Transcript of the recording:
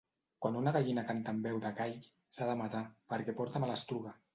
Quan una gallina canta amb veu de gall, s'ha de matar perquè porta malastruga.